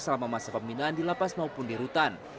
selama masa pembinaan di lapas maupun di rutan